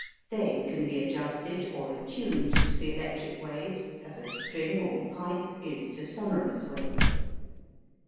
They can be adjusted or attuned to the electric waves as a string or pipe is to sonorous waves.